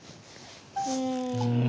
うん。